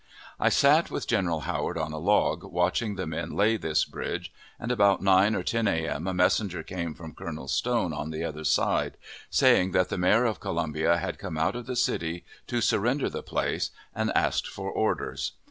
I sat with General Howard on a log, watching the men lay this bridge; and about 9 or 10 A.M. a messenger came from Colonel Stone on the other aide, saying that the Mayor of Columbia had come out of the city to surrender the place, and asking for orders.